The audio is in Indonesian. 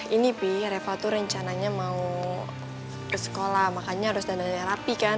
ini pi reva tuh rencananya mau ke sekolah makanya harus dandannya rapi kan